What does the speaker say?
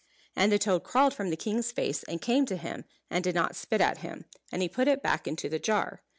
And the toad crawled from the king's face and came to him, and did not spit at him; and he put it back into the jar.